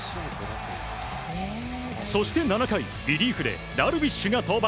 そして７回リリーフでダルビッシュが登板。